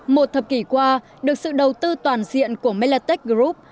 một thập kỷ qua được sự đầu tư toàn diện của melatec group